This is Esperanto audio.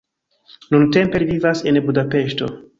Nuntempe li vivas en Budapeŝto.